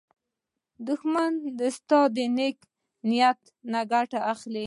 دښمن ستا د نېک نیت نه ګټه اخلي